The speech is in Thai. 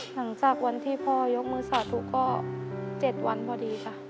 หลังจากวันที่พ่อยกมือสาธุก็๗วันพอดีค่ะ